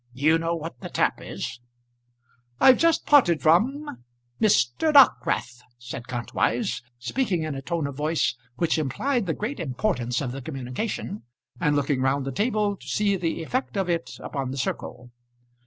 You know what the tap is." "I've just parted from Mr. Dockwrath," said Kantwise, speaking in a tone of voice which implied the great importance of the communication, and looking round the table to see the effect of it upon the circle.